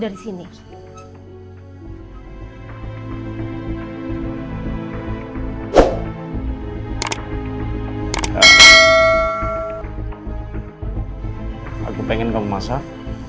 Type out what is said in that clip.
aku ingin kamu masak